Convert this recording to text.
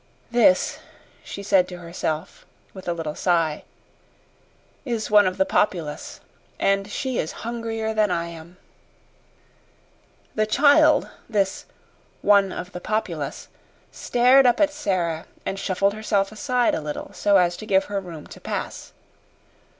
"This," she said to herself, with a little sigh, "is one of the populace and she is hungrier than I am." The child this "one of the populace" stared up at Sara, and shuffled herself aside a little, so as to give her room to pass.